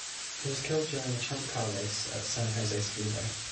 He was killed during a champ car race at San Jose Speedway.